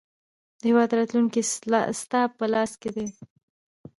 د هیواد راتلونکی ستا په لاس کې دی.